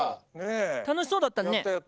楽しそうだったね。